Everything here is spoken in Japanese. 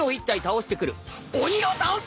鬼を倒す！？